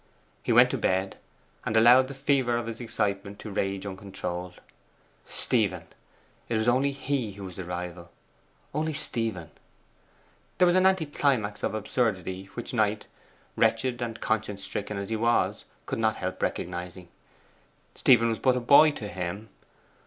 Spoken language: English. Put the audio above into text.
He went to bed, and allowed the fever of his excitement to rage uncontrolled. Stephen it was only he who was the rival only Stephen! There was an anti climax of absurdity which Knight, wretched and conscience stricken as he was, could not help recognizing. Stephen was but a boy to him.